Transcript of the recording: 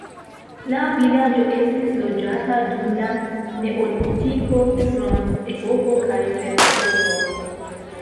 La vilaĝo estis loĝata dum la neolitiko, bronzepoko kaj ferepoko.